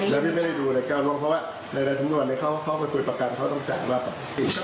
แล้วพี่ไม่ได้ดูในการวงเพราะว่าในรายสำนวนเนี่ยเขาก็คุยประการเขาต้องจ่ายบ้าง